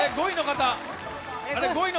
５位の方？